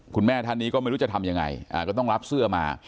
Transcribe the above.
คุณแม่ท่านนี้ก็ไม่รู้จะทำยังไงก็ต้องรับเสื้อมา